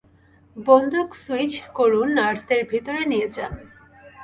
বন্দুক স্যুইচ করুন নার্সদের ভিতরে নিয়ে যান।